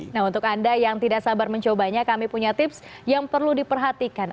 nah untuk anda yang tidak sabar mencobanya kami punya tips yang perlu diperhatikan